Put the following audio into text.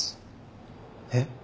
えっ？